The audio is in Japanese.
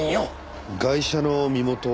ガイシャの身元は？